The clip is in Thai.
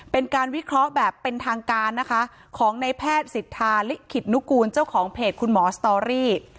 เป็นการวิเคราะห์แบบเป็นทางการนะคะของในแพทย์สิทธาลิขิตนุกูลเจ้าของเพจคุณหมอสตอรี่